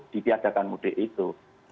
dipiadakan mudik itu